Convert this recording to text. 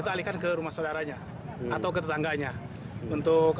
berikut mau nulis detik b line dari agengnya arus